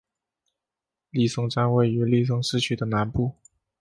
利松站位于利松市区的南部。